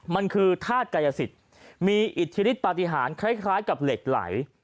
มันคือธาตุกายสิทธิ์มีอิทธิฤทธิปฏิหารคล้ายกับเหล็กไหล